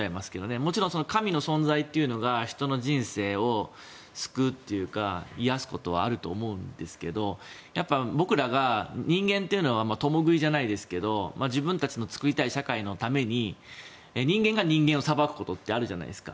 もちろん神の存在というのが人の人生を救うというか癒やすことはあると思うんですがやっぱり僕らが人間というのは共食いじゃないですが自分たちの作りたい社会のために人間が人間を裁くことってあるじゃないですか。